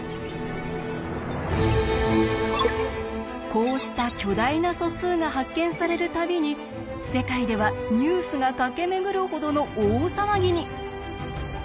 こうした巨大な素数が発見される度に世界ではニュースが駆け巡るほどの大騒ぎに！